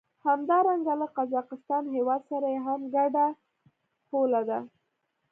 همدارنګه له قزاقستان هېواد سره یې هم ګډه پوله ده.